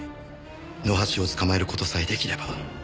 野橋を捕まえる事さえ出来れば。